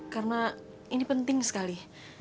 karena ini penting sekali